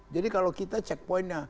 jadi kalau kita checkpointnya